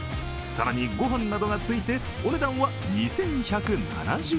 更に御飯などがついて、お値段は２１７０円。